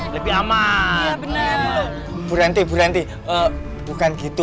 lebih aman bener berhenti berhenti bukan gitu